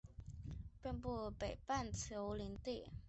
遍布于北半球林地。